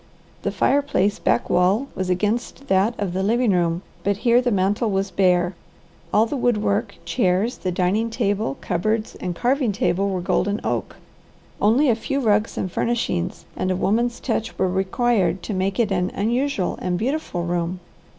The fireplace backwall was against that of the living room, but here the mantel was bare. All the wood work, chairs, the dining table, cupboards, and carving table were golden oak. Only a few rugs and furnishings and a woman's touch were required to make it an unusual and beautiful room.